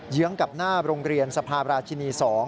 ื้องกับหน้าโรงเรียนสภาพราชินี๒